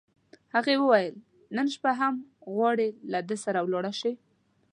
هغې وویل: نن شپه هم غواړې، له ده سره ولاړه شې؟